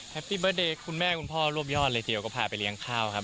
พี่เบิร์เดย์คุณแม่คุณพ่อรวบยอดเลยทีเดียวก็พาไปเลี้ยงข้าวครับ